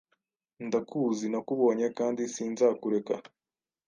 Ndakuzi, nakubonye, kandi sinzakureka: